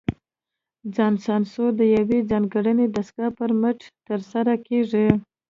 ځان سانسور د یوې ځانګړې دستګاه پر مټ ترسره کېږي.